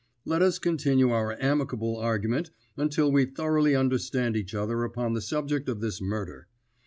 Let us continue our amicable argument until we thoroughly understand each other upon the subject of this murder.